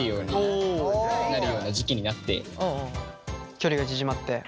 距離が縮まって。